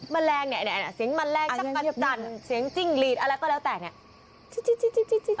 แมลงเนี้ยเนี้ยเนี้ยเสียงแมลงชับกัดจันเสียงจิ้งลีดอะไรก็แล้วแต่เนี้ย